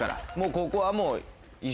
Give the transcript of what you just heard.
ここはもう。